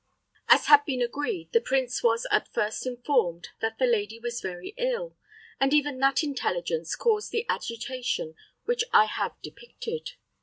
As had been agreed, the prince was at first informed that the lady was very ill, and even that intelligence caused the agitation which I have depicted.